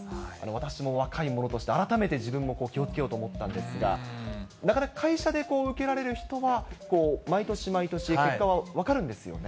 私も若い者として、改めて自分も気をつけようと思ったんですが、なかなか会社で受けられる人は、毎年毎年、結果は分かるんですよね。